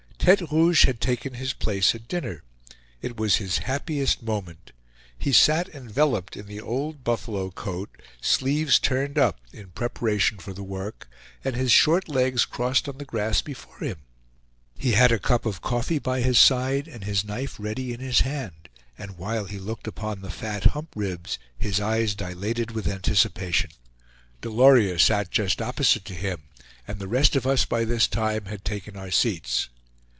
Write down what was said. Tete Rouge had taken his place at dinner; it was his happiest moment; he sat enveloped in the old buffalo coat, sleeves turned up in preparation for the work, and his short legs crossed on the grass before him; he had a cup of coffee by his side and his knife ready in his hand and while he looked upon the fat hump ribs, his eyes dilated with anticipation. Delorier sat just opposite to him, and the rest of us by this time had taken our seats.